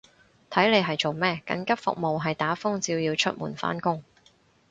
睇你係做咩，緊急服務係打風照要出門返工